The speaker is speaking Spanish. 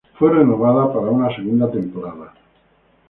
Fue renovada para una segunda temporada.